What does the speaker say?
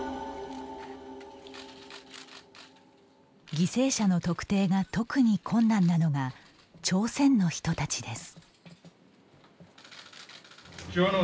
犠牲者の特定が特に困難なのが朝鮮の人たちです。